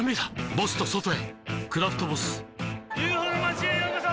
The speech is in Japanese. ボスと外へ「クラフトボス」ＵＦＯの町へようこそ！